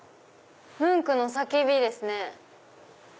ムンクの『叫び』ですね。